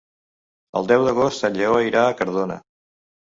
El deu d'agost en Lleó irà a Cardona.